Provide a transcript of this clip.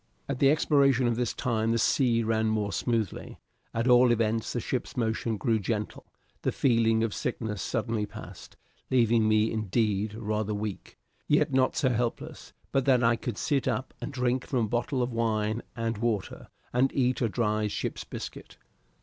At the expiration of this time the sea ran more smoothly; at all events, the ship's motion grew gentle; the feeling of sickness suddenly passed, leaving me, indeed, rather weak, yet not so helpless but that I could sit up and drink from a bottle of wine and water, and eat a dry ship's biscuit.